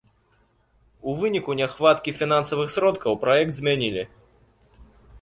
У выніку няхваткі фінансавых сродкаў праект змянілі.